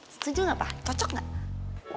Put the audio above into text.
setuju gak pa cocok gak